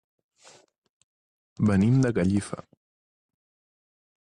Venim de Gallifa.